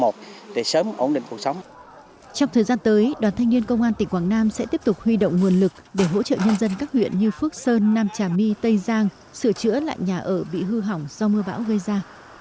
trong thời gian tới đoàn thanh niên công an tỉnh quảng nam sẽ tiếp tục huy động nguồn lực để hỗ trợ nhân dân các huyện như phước sơn nam trà my tây giang sửa chữa lại nhà ở bị hư hỏng do mưa bão gây ra